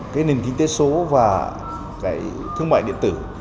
cái nền kinh tế số và cái thương mại điện tử